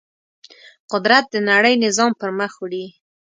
قدرت د نړۍ نظام پر مخ وړي.